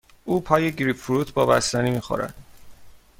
او پای گریپ فروت با بستنی می خورد.